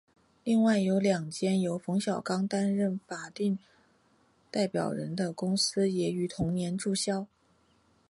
另外有两间由冯小刚担任法定代表人的公司也于同年注销。